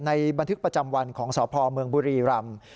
บันทึกประจำวันของสพเมืองบุรีรำ